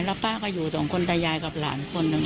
แล้วป้าก็อยู่สองคนตายายกับหลานคนหนึ่ง